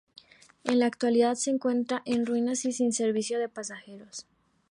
En la actualidad se encuentra en ruinas y sin servicio de pasajeros.